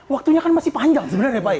waktunya kan masih panjang sebenarnya pak ya